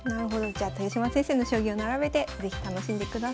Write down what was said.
じゃあ豊島先生の将棋を並べて是非楽しんでください。